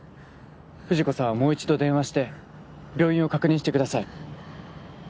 藤子さんはもう一度電話して病院を確認してください。